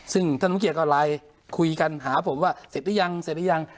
ซึ่งท่านสมเกียจก็ไลน์คุยกันหาผมว่าเสร็จหรือยังเสร็จหรือยัง